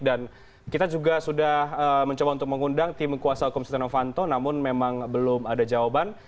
dan kita juga sudah mencoba untuk mengundang tim kuasa hukum setia novanto namun memang belum ada jawaban